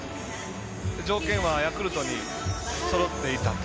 条件はヤクルトにそろっていたと。